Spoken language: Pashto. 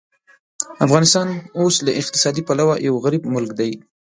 افغانستان اوس له اقتصادي پلوه یو غریب ملک دی.